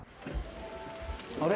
あれ？